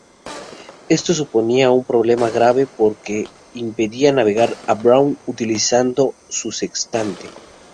Esto suponía un problema grave, porque impedía navegar a Brown utilizando su sextante.